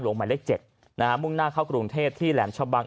หลวงใหม่เล็กเจ็ดนะฮะมุ่งหน้าเข้ากรุงเทศที่แหลมชะบัง